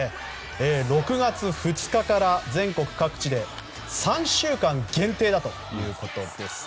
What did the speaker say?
６月２日から、全国各地で３週間限定だということです。